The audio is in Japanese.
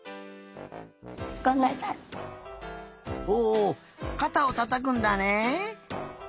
おかたをたたくんだね。